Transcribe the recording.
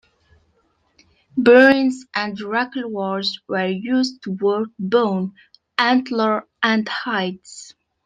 Burins and racloirs were used to work bone, antler and hides.